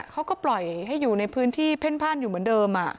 เขาก็ปล่อยให้อยู่ในพื้นที่เพ่นพ่านอยู่เหมือนเดิม